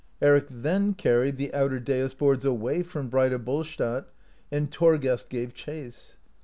Eric then carried the outer dais boards away from Breidabolstad, and Thorgest gave chase.